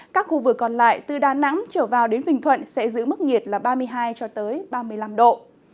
các khu vực còn lại từ đà nẵng trở vào đến bình thuận sẽ giữ mức nhiệt là ba mươi hai ba mươi năm độ